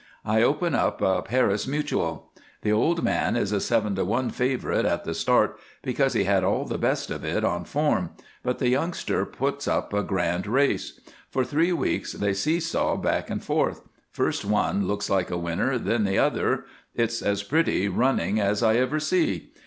I open up a Paris mutuel. The old man is a seven to one favorite at the start because he had all the best of it on form, but the youngster puts up a grand race. For three weeks they seesaw back and forth. First one looks like a winner, then the other. It's as pretty running as I ever see.